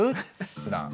ふだん。